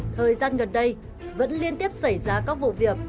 thời gian gần đây vẫn liên tiếp xảy ra các vụ việc